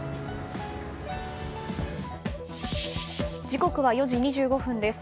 時刻は４時２５分です。